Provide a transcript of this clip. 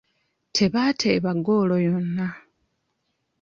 Tebaateeba ggoolo yonna.